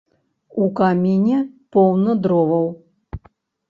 У каміне поўна дроваў.